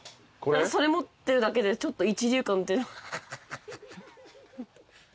それ持ってるだけでちょっと一流感ハハハ。